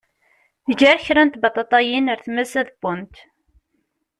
Ger kra n tbaṭaṭayin ar tmes ad d-wwent.